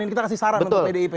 ini kita kasih saran untuk pdip pak